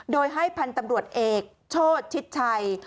โดยให้พันธุ์ตำรวจเอกโชชิดชัย